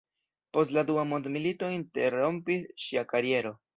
Post la dua mondmilito interrompis ŝia kariero.